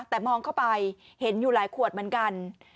แต่มองเข้าไปเห็นอยู่หลายขวดเหมือนกัน